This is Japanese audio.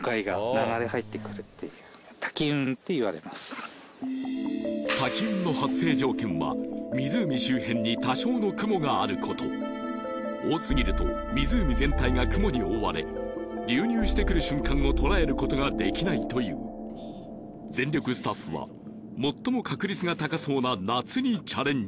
あ滝雲の発生条件は湖周辺に多少の雲があること多すぎると湖全体が雲に覆われ流入してくる瞬間を捉えることができないという全力スタッフは最も確率が高そうな夏にチャレンジ